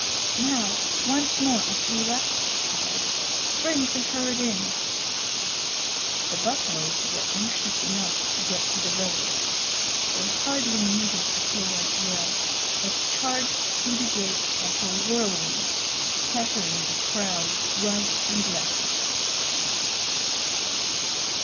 "Now, once more, Akela," he cried. "Bring the herd in." The buffaloes were anxious enough to get to the village. They hardly needed Akela's yell, but charged through the gate like a whirlwind, scattering the crowd right and left.